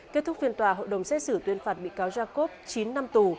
kết thúc phiên tòa hội đồng xét xử tuyên phạt bị cáo jacob chín năm tù